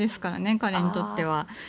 彼にとっては。